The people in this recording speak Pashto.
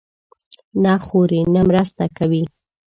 نه خوري، نه مرسته کوي.